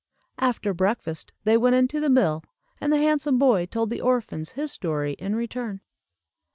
After breakfast they went into the mill, and the handsome boy told the orphans his story, in return.